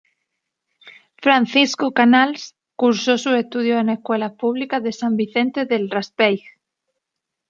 Francisco Canals, cursó sus estudios en escuelas públicas de San Vicente del Raspeig.